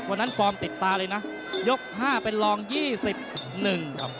ฟอร์มติดตาเลยนะยกห้าเป็นรองยี่สิบหนึ่งครับ